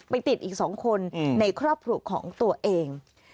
ติดอีก๒คนในครอบครัวของตัวเอง